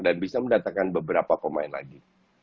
dan bisa mendatangkan beberapa pemain lagi